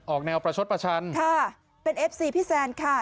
แนวประชดประชันค่ะเป็นเอฟซีพี่แซนค่ะ